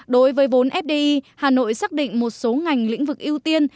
đối với vốn fdi hà nội xác định một số ngành lĩnh vực ưu tiên